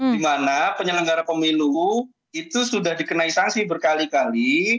di mana penyelenggara pemilu itu sudah dikenai sanksi berkali kali